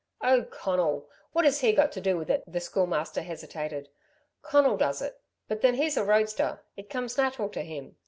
"Oh, Conal! What has he got to do with it?" The Schoolmaster hesitated. "Conal does it ... but then he's a roadster. It comes natural to him.